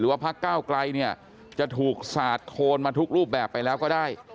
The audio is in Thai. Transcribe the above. ว่าพักก้าวไกลเนี่ยจะถูกสาดโคนมาทุกรูปแบบไปแล้วก็ได้